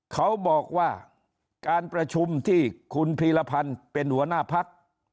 เขาบอกว่าการประชุมที่คุณพีรพันธ์เป็นหัวหน้าพัก